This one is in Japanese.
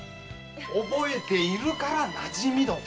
覚えているから「なじみ床」。